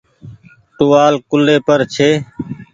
ٽووآل ڪولي پر ڇي۔